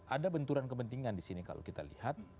ada benturan kepentingan di sini kalau kita lihat